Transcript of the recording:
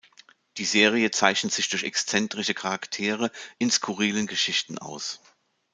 Die Serie zeichnet sich durch exzentrische Charaktere in skurrilen Geschichten aus.